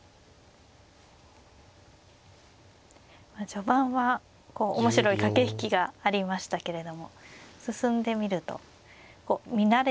序盤は面白い駆け引きがありましたけれども進んでみると見慣れた形といいますか。